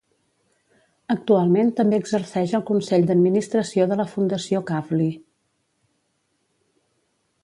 Actualment també exerceix al consell d'administració de la Fundació Kavli.